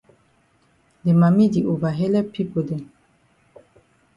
De mami di ova helep pipo dem.